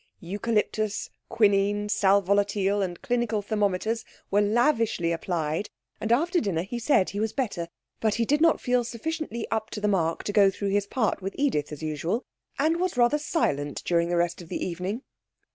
Eucalyptus, quinine, sal volatile, and clinical thermometers were lavishly applied, and after dinner he said he was better, but did not feel sufficiently up to the mark to go through his part with Edith as usual, and was rather silent during the rest of the evening.